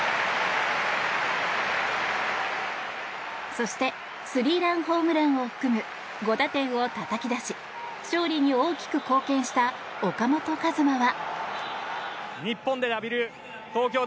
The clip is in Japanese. そしてスリーランホームランを含む５打点をたたき出し勝利に大きく貢献した岡本和真は。